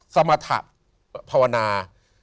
สมรรถะภาวนา